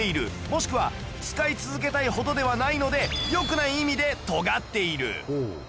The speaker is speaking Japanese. もしくは使い続けたいほどではないのでよくない意味で尖っている